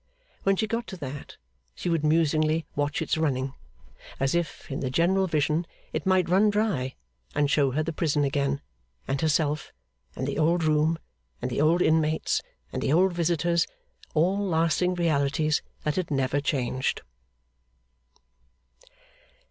When she got to that, she would musingly watch its running, as if, in the general vision, it might run dry, and show her the prison again, and herself, and the old room, and the old inmates, and the old visitors: all lasting realities that had never changed.